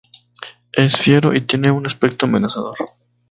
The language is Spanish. Es fiero y tiene un aspecto amenazador.